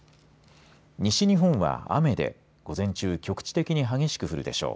西日本は雨で午前中局地的に激しく降るでしょう。